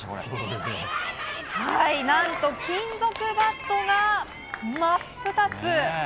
何と、金属バットが真っ二つ。